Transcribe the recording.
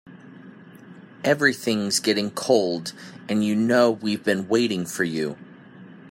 Everything's getting cold and you know we've been waiting for you.